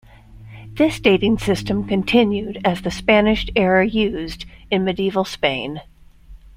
This dating system continued as the Spanish era used in medieval Spain.